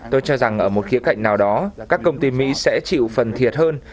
tôi cho rằng ở một khía cạnh nào đó các công ty mỹ sẽ chịu phần thiệt hơn